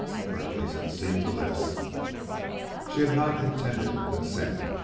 Or at least it seemed the lips. She had not intended to consent.